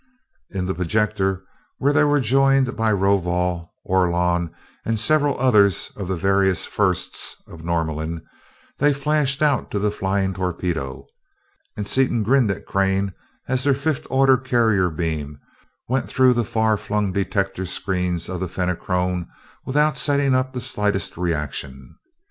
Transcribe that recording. In the projector, where they were joined by Rovol, Orlon, and several others of the various "Firsts" of Norlamin, they flashed out to the flying torpedo, and Seaton grinned at Crane as their fifth order carrier beam went through the far flung detector screens of the Fenachrone without setting up the slightest reaction.